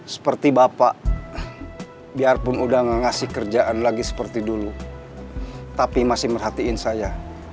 seperti bapak biarpun udah gak ngasih kerjaan lagi seperti dulu tapi masih merhatiin saya